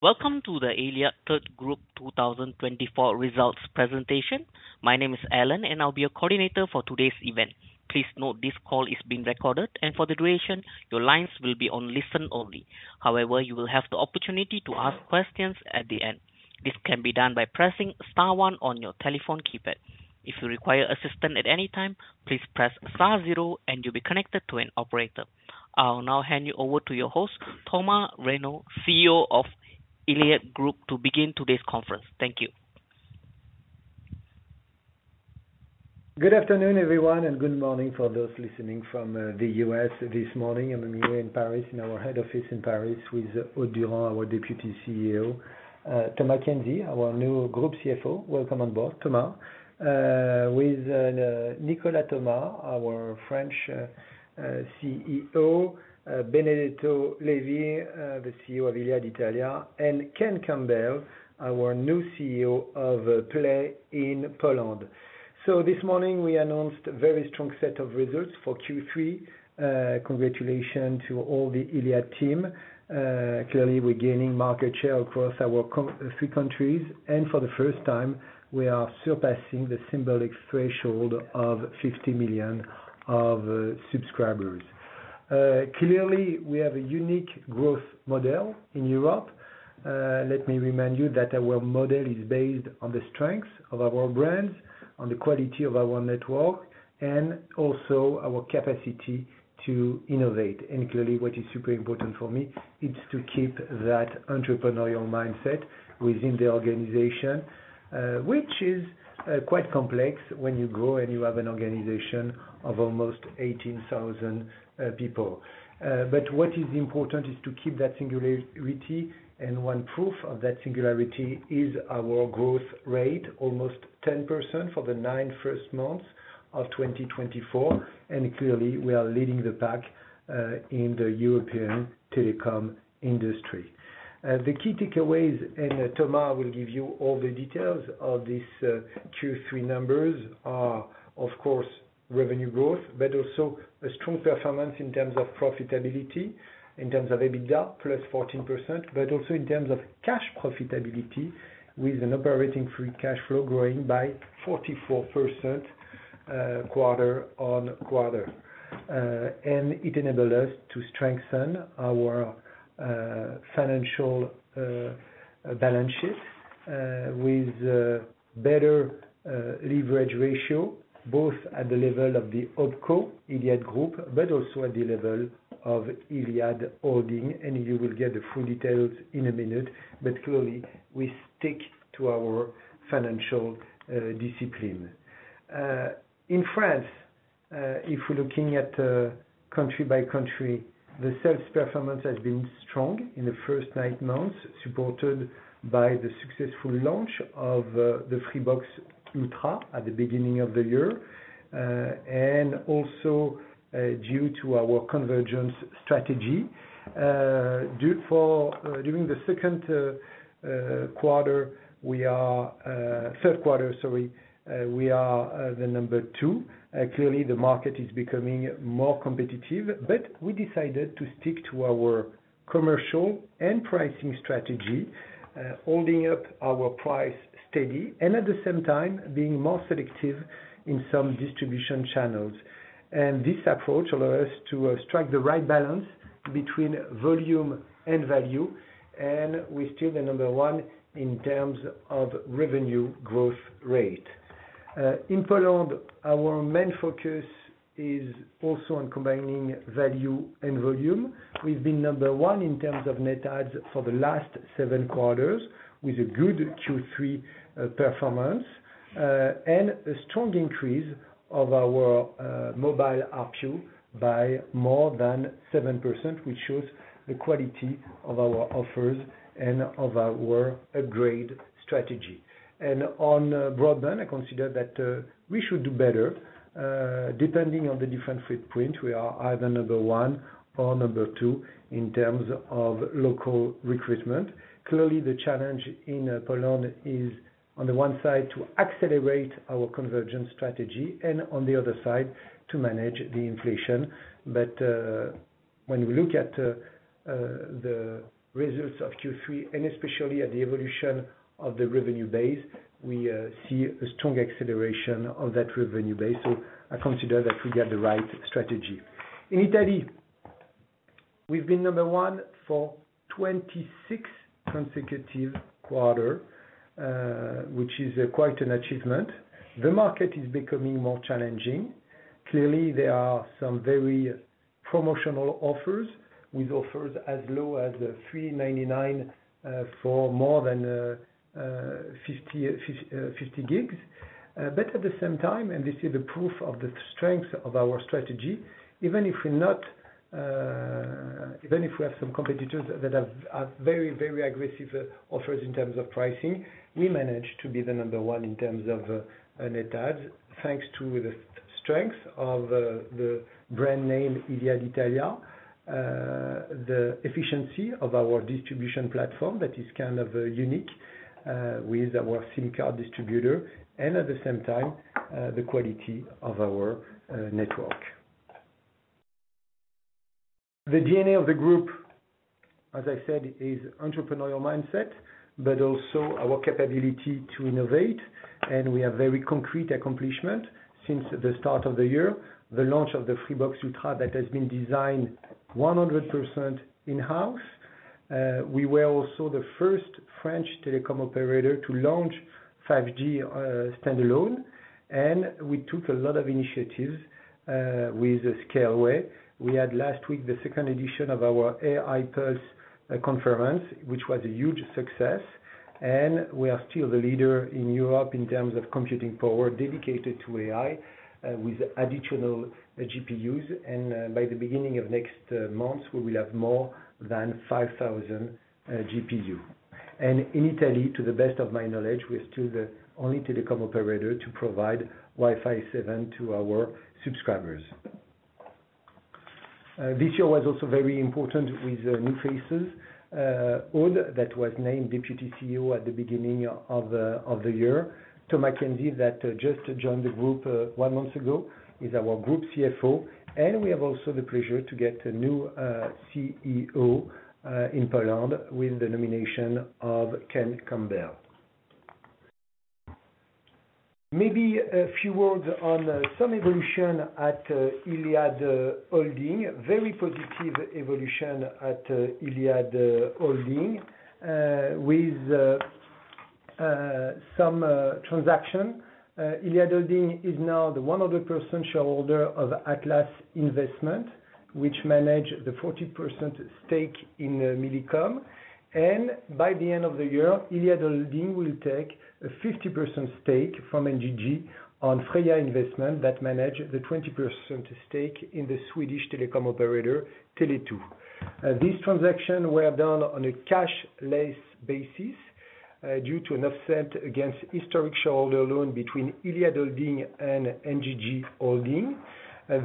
Welcome to the Iliad Group third quarter 2024 results presentation. My name is Alan, and I'll be your coordinator for today's event. Please note this call is being recorded, and for the duration, your lines will be on listen-only. However, you will have the opportunity to ask questions at the end. This can be done by pressing star one on your telephone keypad. If you require assistance at any time, please press star zero, and you'll be connected to an operator. I'll now hand you over to your host, Thomas Reynaud, CEO of Iliad Group, to begin today's conference. Thank you. Good afternoon, everyone, and good morning for those listening from the U.S. this morning. I'm here in Paris, in our head office in Paris, with Aude Durand, our Deputy CEO. Thomas Kienzi, our new Group CFO. Welcome on board, Thomas. With Nicolas Thomas, our French CEO; Benedetto Levi, the CEO of Iliad Italia; and Ken Campbell, our new CEO of Play in Poland. So this morning, we announced a very strong set of results for Q3. Congratulations to all the Iliad team. Clearly, we're gaining market share across our three countries, and for the first time, we are surpassing the symbolic threshold of 50 million subscribers. Clearly, we have a unique growth model in Europe. Let me remind you that our model is based on the strengths of our brands, on the quality of our network, and also our capacity to innovate. Clearly, what is super important for me is to keep that entrepreneurial mindset within the organization, which is quite complex when you grow and you have an organization of almost 18,000 people. But what is important is to keep that singularity, and one proof of that singularity is our growth rate, almost 10% for the nine first months of 2024. Clearly, we are leading the pack in the European telecom industry. The key takeaways, and Thomas will give you all the details of these Q3 numbers, are, of course, revenue growth, but also a strong performance in terms of profitability, in terms of EBITDA, plus 14%, but also in terms of cash profitability, with an operating free cash flow growing by 44% quarter on quarter. It enabled us to strengthen our financial balance sheet with a better leverage ratio, both at the level of the Opco Iliad Group, but also at the level of Iliad Holding. You will get the full details in a minute, but clearly, we stick to our financial discipline. In France, if we're looking at country by country, the sales performance has been strong in the first nine months, supported by the successful launch of the Freebox Ultra at the beginning of the year, and also due to our convergence strategy. During the third quarter, sorry, we are the number two. Clearly, the market is becoming more competitive, but we decided to stick to our commercial and pricing strategy, holding up our price steady, and at the same time, being more selective in some distribution channels. This approach allows us to strike the right balance between volume and value, and we're still the number one in terms of revenue growth rate. In Poland, our main focus is also on combining value and volume. We've been number one in terms of net adds for the last seven quarters, with a good Q3 performance and a strong increase of our mobile RPU by more than 7%, which shows the quality of our offers and of our upgrade strategy. On broadband, I consider that we should do better. Depending on the different footprints, we are either number one or number two in terms of local recruitment. Clearly, the challenge in Poland is, on the one side, to accelerate our convergence strategy, and on the other side, to manage the inflation. But when we look at the results of Q3, and especially at the evolution of the revenue base, we see a strong acceleration of that revenue base. So I consider that we got the right strategy. In Italy, we've been number one for 26 consecutive quarters, which is quite an achievement. The market is becoming more challenging. Clearly, there are some very promotional offers, with offers as low as €3.99 for more than 50 gigs. But at the same time, and this is the proof of the strength of our strategy, even if we're not, even if we have some competitors that have very, very aggressive offers in terms of pricing, we manage to be the number one in terms of net adds, thanks to the strength of the brand name Iliad Italia, the efficiency of our distribution platform that is kind of unique with our SIM card distributor, and at the same time, the quality of our network. The DNA of the group, as I said, is entrepreneurial mindset, but also our capability to innovate. And we have very concrete accomplishments since the start of the year, the launch of the Freebox Ultra that has been designed 100% in-house. We were also the first French telecom operator to launch 5G standalone, and we took a lot of initiatives with Scaleway. We had last week the second edition of our AI Pulse conference, which was a huge success. And we are still the leader in Europe in terms of computing power dedicated to AI, with additional GPUs. And by the beginning of next month, we will have more than 5,000 GPUs. And in Italy, to the best of my knowledge, we are still the only telecom operator to provide Wi-Fi 7 to our subscribers. This year was also very important with new faces. Aude, that was named Deputy CEO at the beginning of the year. Thomas Kienzi, that just joined the group one month ago, is our Group CFO. And we have also the pleasure to get a new CEO in Poland with the nomination of Ken Campbell. Maybe a few words on some evolution at Iliad Holding. Very positive evolution at Iliad Holding with some transactions. Iliad Holding is now the 100% shareholder of Atlas Investment, which manages the 40% stake in Millicom. By the end of the year, Iliad Holding will take a 50% stake from NJJ on Freya Investment that manages the 20% stake in the Swedish telecom operator Tele2. These transactions were done on a cashless basis due to an offset against historic shareholder loan between Iliad Holding and NJJ Holding.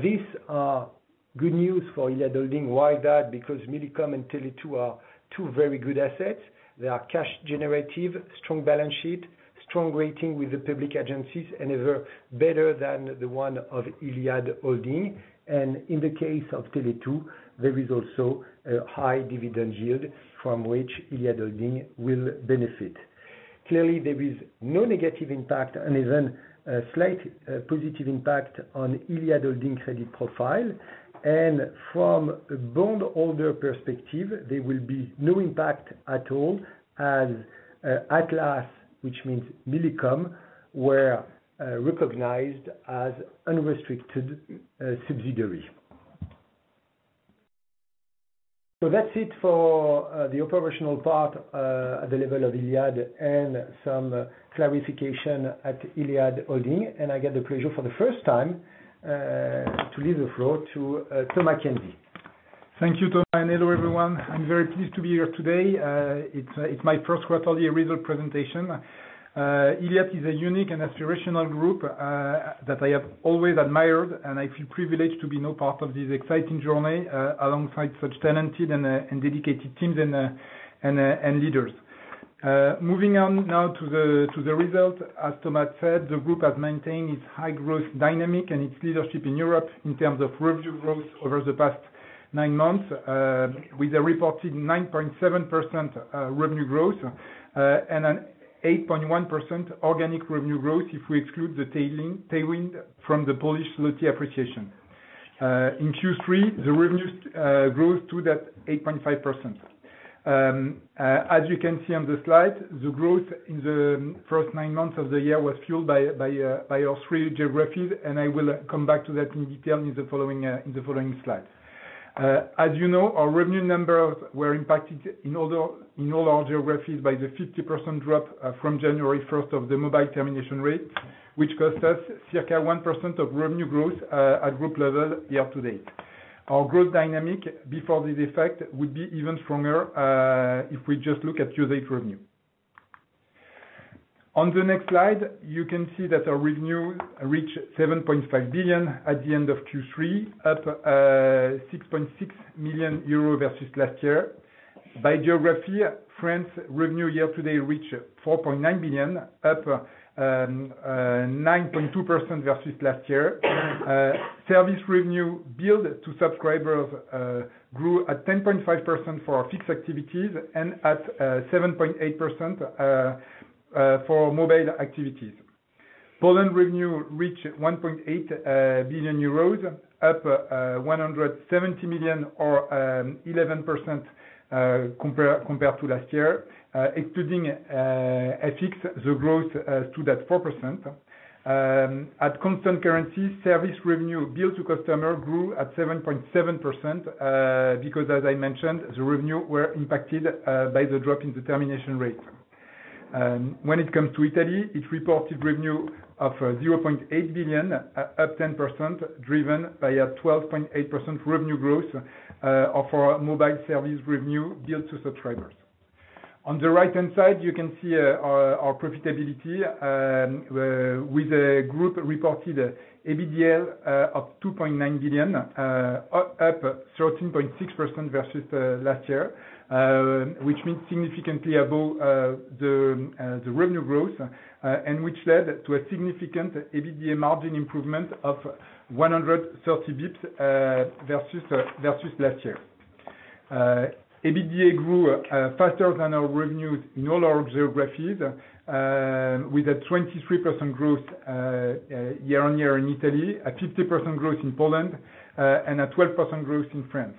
These are good news for Iliad Holding. Why that? Because Millicom and Tele2 are two very good assets. They are cash-generative, strong balance sheet, strong rating with the public agencies, and ever better than the one of Iliad Holding. In the case of Tele2, there is also a high dividend yield from which Iliad Holding will benefit. Clearly, there is no negative impact, and even a slight positive impact on Iliad Holding's credit profile. And from a bondholder perspective, there will be no impact at all, as Atlas, which means Millicom, were recognized as unrestricted subsidiary. So that's it for the operational part at the level of Iliad and some clarification at Iliad Holding. And I get the pleasure for the first time to leave the floor to Thomas Kienzi. Thank you, Thomas, and hello, everyone. I'm very pleased to be here today. It's my first quarterly earnings presentation. Iliad is a unique and aspirational group that I have always admired, and I feel privileged to be part of this exciting journey alongside such talented and dedicated teams and leaders. Moving on now to the results, as Thomas said, the group has maintained its high growth dynamic and its leadership in Europe in terms of revenue growth over the past nine months, with a reported 9.7% revenue growth and an 8.1% organic revenue growth if we exclude the tailwind from the Polish zloty appreciation. In Q3, the revenue growth stood at 8.5%. As you can see on the slide, the growth in the first nine months of the year was fueled by our three geographies, and I will come back to that in detail in the following slides. As you know, our revenue numbers were impacted in all our geographies by the 50% drop from January 1st of the mobile termination rate, which cost us circa 1% of revenue growth at group level year to date. Our growth dynamic before this effect would be even stronger if we just look at Q8 revenue. On the next slide, you can see that our revenue reached 7.5 billion at the end of Q3, up 6.6 million euro versus last year. By geography, France's revenue year to date reached 4.9 billion, up 9.2% versus last year. Service revenue billed to subscribers grew at 10.5% for our fixed activities and at 7.8% for mobile activities. Poland revenue reached 1.8 billion euros, up 170 million or 11% compared to last year. Excluding FX, the growth stood at 4%. At constant currency, service revenue billed to customers grew at 7.7% because, as I mentioned, the revenue was impacted by the drop in the termination rate. When it comes to Italy, it reported revenue of 0.8 billion, up 10%, driven by a 12.8% revenue growth for mobile service revenue billed to subscribers. On the right-hand side, you can see our profitability with a group reported EBITDA of 2.9 billion, up 13.6% versus last year, which means significantly above the revenue growth, and which led to a significant EBITDA margin improvement of 130 basis points versus last year. EBITDA grew faster than our revenues in all our geographies, with a 23% growth year on year in Italy, a 50% growth in Poland, and a 12% growth in France,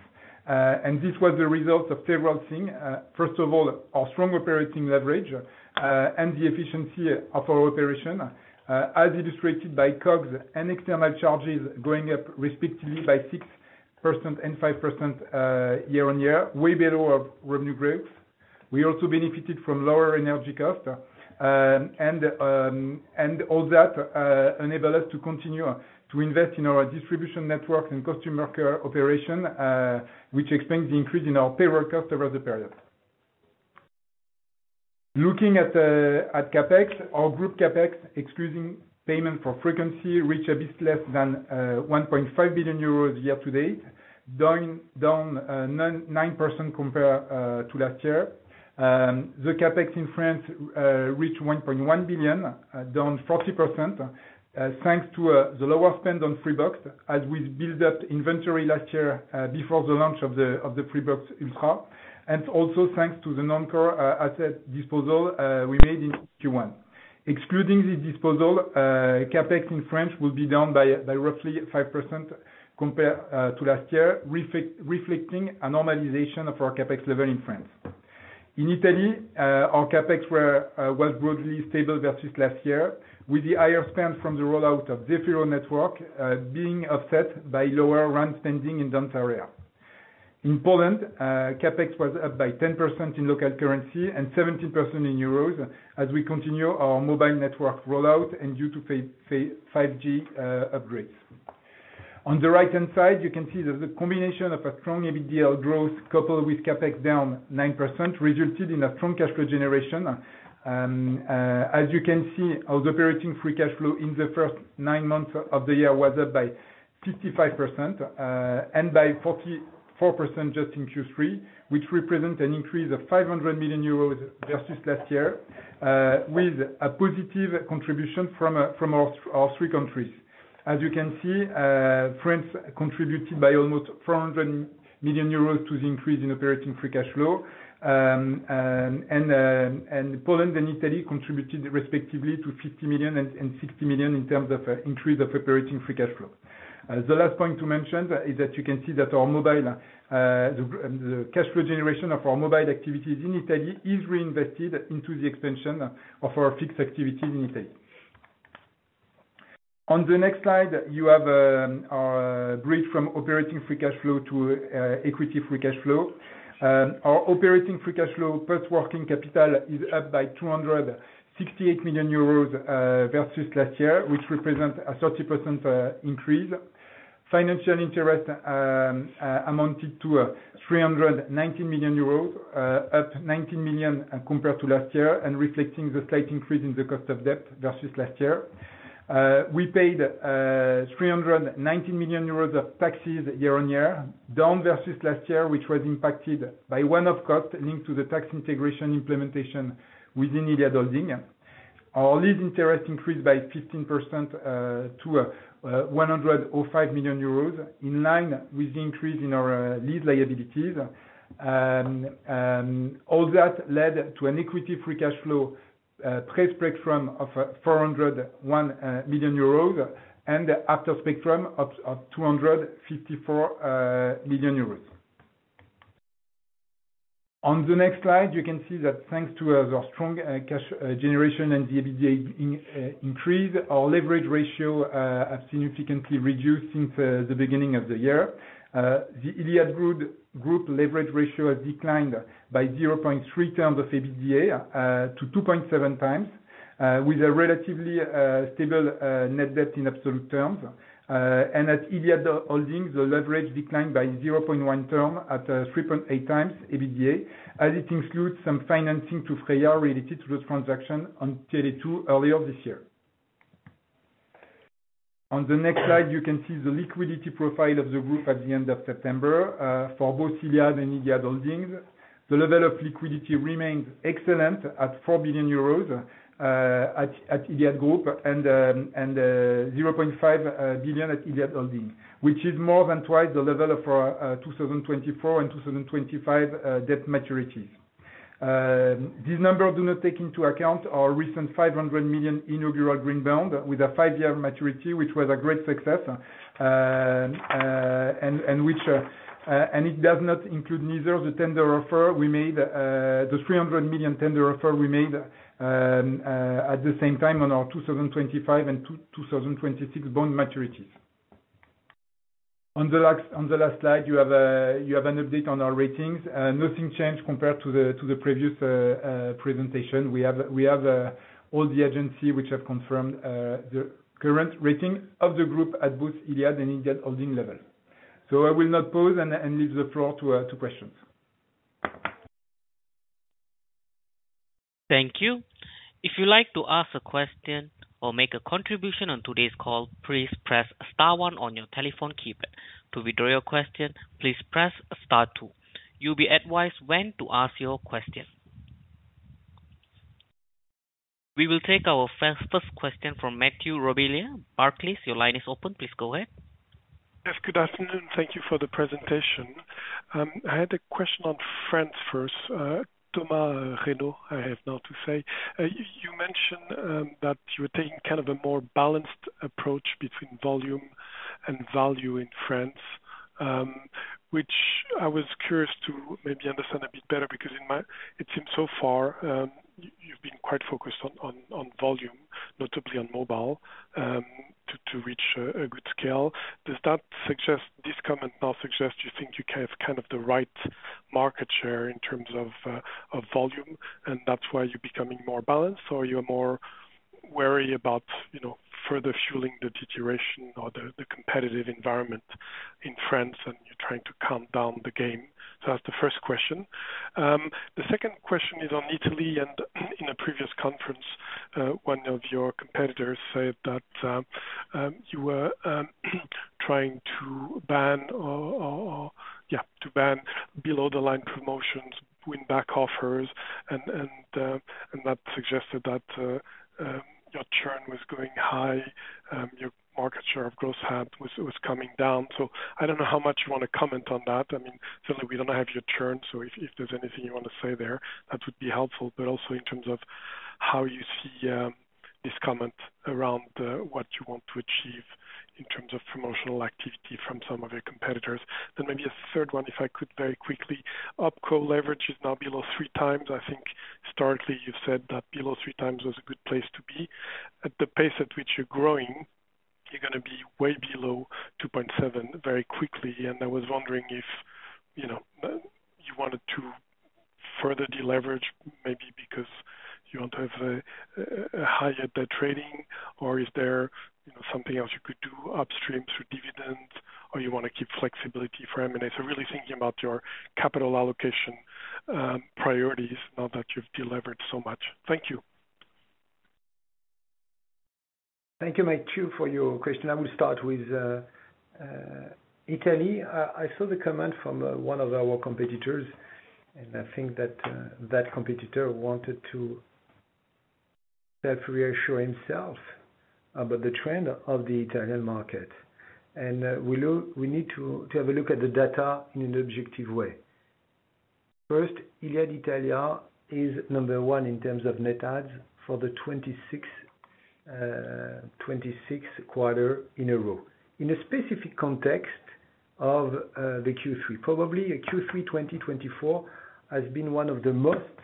and this was the result of several things. First of all, our strong operating leverage and the efficiency of our operation, as illustrated by COGS and external charges going up respectively by 6% and 5% year on year, way below our revenue growth. We also benefited from lower energy costs, and all that enabled us to continue to invest in our distribution network and customer care operation, which explains the increase in our payroll costs over the period. Looking at CapEx, our group CapEx, excluding payment for frequency, reached a bit less than 1.5 billion euros year to date, down 9% compared to last year. The CapEx in France reached 1.1 billion, down 40%, thanks to the lower spend on Freebox as we built up inventory last year before the launch of the Freebox Ultra, and also thanks to the non-core asset disposal we made in Q1. Excluding the disposal, CapEx in France will be down by roughly 5% compared to last year, reflecting a normalization of our CapEx level in France. In Italy, our CapEx was broadly stable versus last year, with the higher spend from the rollout of Zefiro Net being offset by lower RAN spending in the entire area. In Poland, CapEx was up by 10% in local currency and 17% in euros as we continue our mobile network rollout and due to 5G upgrades. On the right-hand side, you can see that the combination of a strong EBITDA growth coupled with CapEx down 9% resulted in a strong cash flow generation. As you can see, our operating free cash flow in the first nine months of the year was up by 55% and by 44% just in Q3, which represents an increase of 500 million euros versus last year, with a positive contribution from our three countries. As you can see, France contributed by almost 400 million euros to the increase in operating free cash flow, and Poland and Italy contributed respectively to 50 million and 60 million in terms of increase of operating free cash flow. The last point to mention is that you can see that our mobile, the cash flow generation of our mobile activities in Italy is reinvested into the expansion of our fixed activities in Italy. On the next slide, you have our bridge from operating free cash flow to equity free cash flow. Our operating free cash flow plus working capital is up by 268 million euros versus last year, which represents a 30% increase. Financial interest amounted to 319 million euros, up 19 million compared to last year, and reflecting the slight increase in the cost of debt versus last year. We paid 319 million euros of taxes year on year, down versus last year, which was impacted by one-off costs linked to the tax integration implementation within Iliad Holding. Our lease interest increased by 15% to 105 million euros, in line with the increase in our lease liabilities. All that led to an equity free cash flow pre-spectrum of 401 million euros and after spectrum of 254 million euros. On the next slide, you can see that thanks to our strong cash generation and the EBITDA increase, our leverage ratio has significantly reduced since the beginning of the year. The Iliad Group leverage ratio has declined by 0.3 turns of EBITDA to 2.7 times, with a relatively stable net debt in absolute terms. And at Iliad Holding, the leverage declined by 0.1 turn at 3.8 times EBITDA, as it includes some financing to Freya related to the transaction on Tele2 earlier this year. On the next slide, you can see the liquidity profile of the group at the end of September for both Iliad and Iliad Holding. The level of liquidity remains excellent at 4 billion euros at Iliad Group and 0.5 billion at Iliad Holding, which is more than twice the level of our 2024 and 2025 debt maturities. These numbers do not take into account our recent 500 million inaugural green bond with a five-year maturity, which was a great success, and it does not include neither the tender offer we made, the 300 million tender offer we made at the same time on our 2025 and 2026 bond maturities. On the last slide, you have an update on our ratings. Nothing changed compared to the previous presentation. We have all the agencies which have confirmed the current rating of the group at both Iliad and Iliad Holding level. So I will not pause and leave the floor to questions. Thank you. If you'd like to ask a question or make a contribution on today's call, please press Star 1 on your telephone keypad. To withdraw your question, please press Star 2. You'll be advised when to ask your question. We will take our first question from Mathieu Robilliard. Barclays, your line is open. Please go ahead. Yes, good afternoon. Thank you for the presentation. I had a question on France first. Thomas Reynaud, I have now to say. You mentioned that you were taking kind of a more balanced approach between volume and value in France, which I was curious to maybe understand a bit better because it seems so far you've been quite focused on volume, notably on mobile, to reach a good scale. Does that suggest, this comment now suggests you think you have kind of the right market share in terms of volume, and that's why you're becoming more balanced, or you're more worried about further fueling the deterioration or the competitive environment in France, and you're trying to calm down the game? So that's the first question. The second question is on Italy, and in a previous conference, one of your competitors said that you were trying to ban, yeah, to ban below-the-line promotions, win-back offers, and that suggested that your churn was going high, your market share of gross adds was coming down, so I don't know how much you want to comment on that. I mean, certainly, we don't have your churn, so if there's anything you want to say there, that would be helpful, but also in terms of how you see this comment around what you want to achieve in terms of promotional activity from some of your competitors, then maybe a third one, if I could very quickly. Opco leverage is now below three times. I think, historically, you've said that below three times was a good place to be. At the pace at which you're growing, you're going to be way below 2.7 very quickly. And I was wondering if you wanted to further deleverage maybe because you want to have a higher debt rating, or is there something else you could do upstream through dividends, or you want to keep flexibility for M&A? So really thinking about your capital allocation priorities now that you've delivered so much. Thank you. Thank you, Matthew, for your question. I will start with Italy. I saw the comment from one of our competitors, and I think that that competitor wanted to self-reassure himself about the trend of the Italian market. And we need to have a look at the data in an objective way. First, Iliad Italia is number one in terms of net adds for the 26th quarter in a row. In a specific context of the Q3, probably Q3 2024 has been one of the most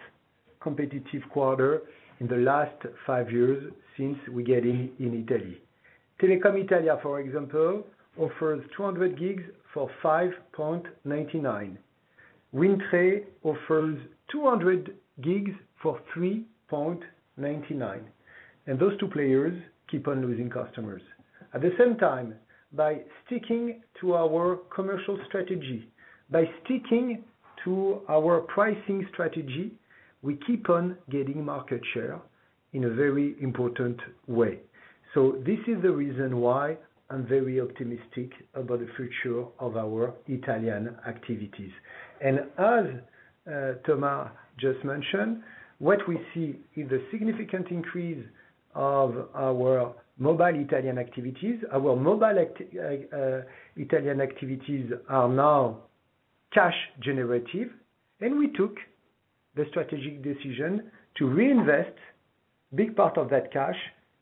competitive quarters in the last five years since we got in Italy. Telecom Italia, for example, offers 200 gigs for 5.99. Wind Tre offers 200 gigs for 3.99. And those two players keep on losing customers. At the same time, by sticking to our commercial strategy, by sticking to our pricing strategy, we keep on getting market share in a very important way. So this is the reason why I'm very optimistic about the future of our Italian activities. And as Thomas just mentioned, what we see is the significant increase of our mobile Italian activities. Our mobile Italian activities are now cash-generative, and we took the strategic decision to reinvest a big part of that cash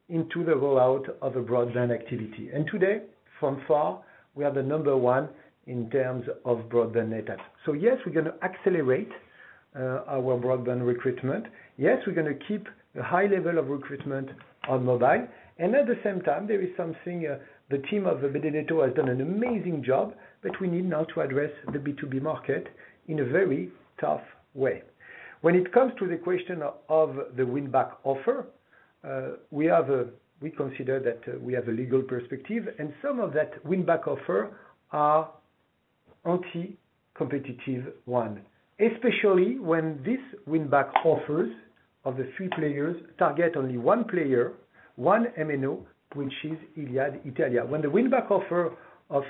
into the rollout of a broadband activity. And today, by far, we are the number one in terms of broadband net adds. So yes, we're going to accelerate our broadband recruitment. Yes, we're going to keep a high level of recruitment on mobile. And at the same time, there is something the team of Benedetto has done an amazing job, but we need now to address the B2B market in a very tough way. When it comes to the question of the win-back offer, we consider that we have a legal perspective, and some of that win-back offer are anti-competitive ones, especially when these win-back offers of the three players target only one player, one M&O, which is Iliad Italia. When the win-back offer of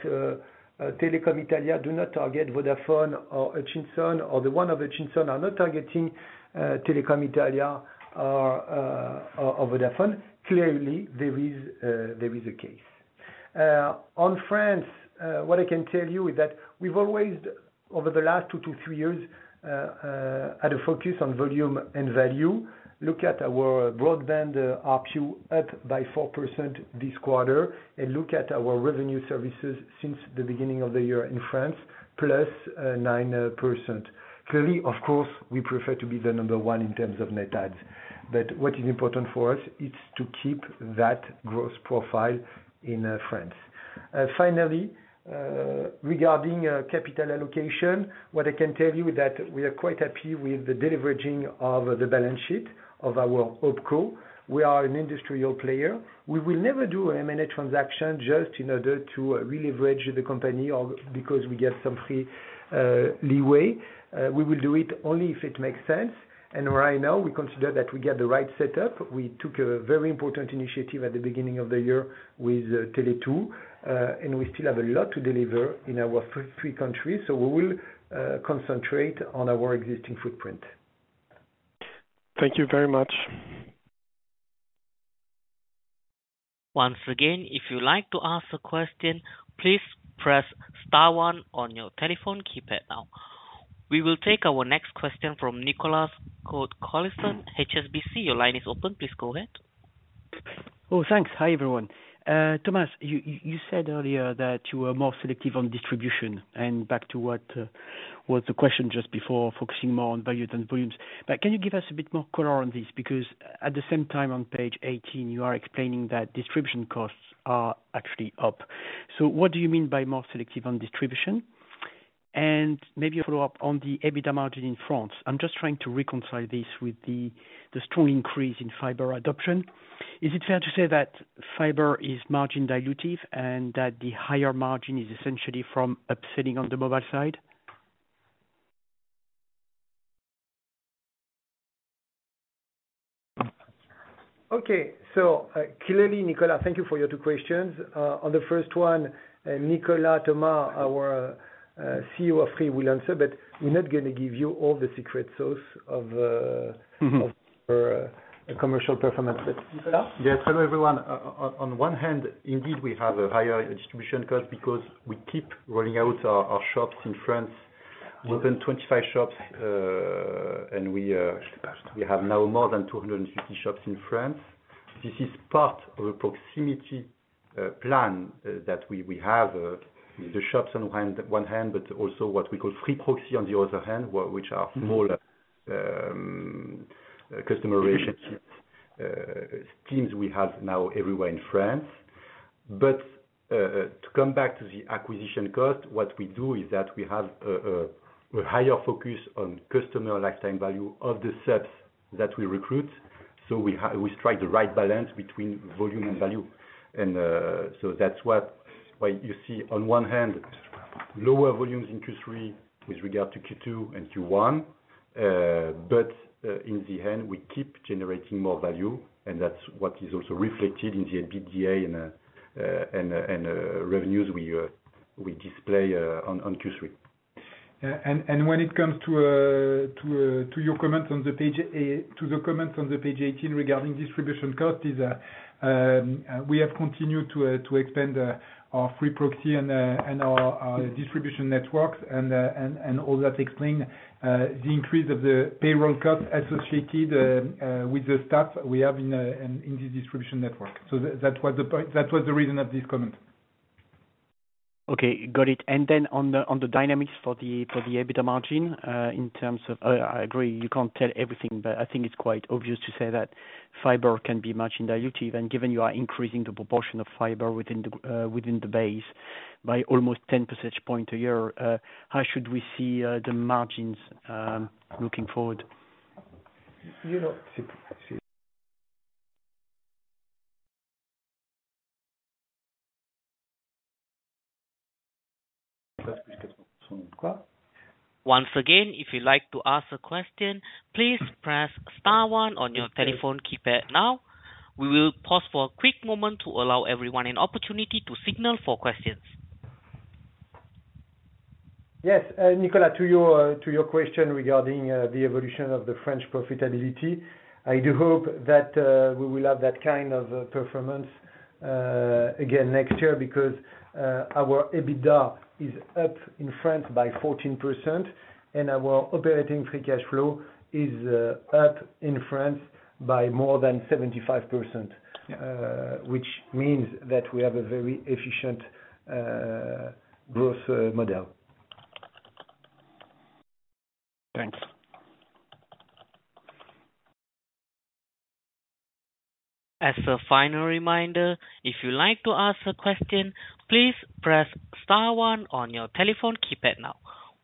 Telecom Italia does not target Vodafone or Hutchison, or the one of Hutchison is not targeting Telecom Italia or Vodafone, clearly, there is a case. On France, what I can tell you is that we've always, over the last two to three years, had a focus on volume and value. Look at our broadband ARPU up by 4% this quarter, and look at our revenue services since the beginning of the year in France, plus 9%. Clearly, of course, we prefer to be the number one in terms of net adds, but what is important for us is to keep that growth profile in France. Finally, regarding capital allocation, what I can tell you is that we are quite happy with the deleveraging of the balance sheet of our Opco. We are an industrial player. We will never do an M&A transaction just in order to releverage the company because we get some free leeway. We will do it only if it makes sense, and right now, we consider that we get the right setup. We took a very important initiative at the beginning of the year with Tele2, and we still have a lot to deliver in our three countries, so we will concentrate on our existing footprint. Thank you very much. Once again, if you'd like to ask a question, please press Star 1 on your telephone keypad now. We will take our next question from Nicolas Collison, HSBC. Your line is open. Please go ahead. Oh, thanks. Hi, everyone. Thomas, you said earlier that you were more selective on distribution, and back to what was the question just before, focusing more on value than volumes, but can you give us a bit more color on this? Because at the same time, on page 18, you are explaining that distribution costs are actually up, so what do you mean by more selective on distribution, and maybe a follow-up on the EBITDA margin in France. I'm just trying to reconcile this with the strong increase in fiber adoption. Is it fair to say that fiber is margin dilutive and that the higher margin is essentially from upselling on the mobile side? Okay, so clearly, Nicolas, thank you for your two questions. On the first one, Nicolas Thomas, our CEO of Free, will answer, but we're not going to give you all the secret sauce of commercial performance. But Nicolas. Yes, hello, everyone. On one hand, indeed, we have a higher distribution cost because we keep rolling out our shops in France. We opened 25 shops, and we have now more than 250 shops in France. This is part of a proximity plan that we have, the shops on one hand, but also what we call Free Proxi on the other hand, which are smaller customer relationship teams. We have now everywhere in France. But to come back to the acquisition cost, what we do is that we have a higher focus on customer lifetime value of the subs that we recruit. So we strike the right balance between volume and value. And so that's why you see, on one hand, lower volumes in Q3 with regard to Q2 and Q1, but in the end, we keep generating more value, and that's what is also reflected in the EBITDA and revenues we display on Q3. When it comes to your comments on page 18 regarding distribution cost, we have continued to expand our Free Proxi and our distribution networks, and all that explains the increase of the payroll cost associated with the staff we have in this distribution network. That was the reason of this comment. Okay, got it. And then on the dynamics for the EBITDA margin in terms of, I agree, you can't tell everything, but I think it's quite obvious to say that fiber can be much more dilutive. And given you are increasing the proportion of fiber within the base by almost 10 percentage points a year, how should we see the margins looking forward? Once again, if you'd like to ask a question, please press Star 1 on your telephone keypad now. We will pause for a quick moment to allow everyone an opportunity to signal for questions. Yes, Nicolas, to your question regarding the evolution of the French profitability, I do hope that we will have that kind of performance again next year because our EBITDA is up in France by 14%, and our operating free cash flow is up in France by more than 75%, which means that we have a very efficient growth model. Thanks. As a final reminder, if you'd like to ask a question, please press Star 1 on your telephone keypad now.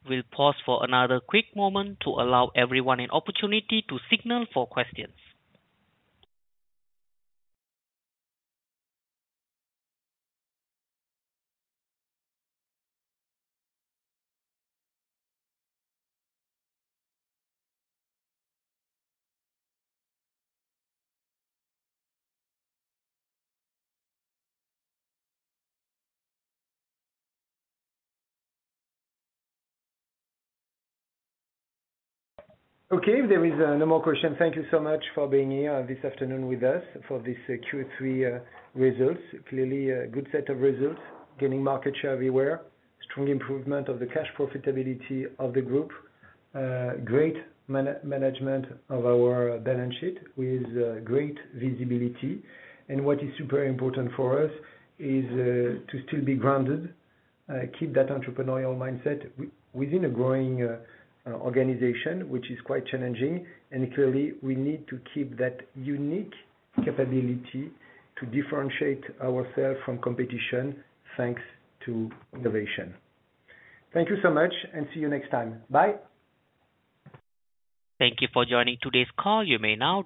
We'll pause for another quick moment to allow everyone an opportunity to signal for questions. Okay, there is no more question. Thank you so much for being here this afternoon with us for these Q3 results. Clearly, a good set of results, getting market share everywhere, strong improvement of the cash profitability of the group, great management of our balance sheet with great visibility. And what is super important for us is to still be grounded, keep that entrepreneurial mindset within a growing organization, which is quite challenging. And clearly, we need to keep that unique capability to differentiate ourselves from competition thanks to innovation. Thank you so much, and see you next time. Bye. Thank you for joining today's call. You may now.